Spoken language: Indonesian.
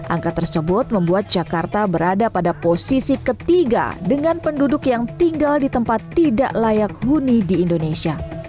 angka tersebut membuat jakarta berada pada posisi ketiga dengan penduduk yang tinggal di tempat tidak layak huni di indonesia